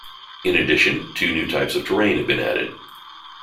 In addition, two new types of terrain have been added.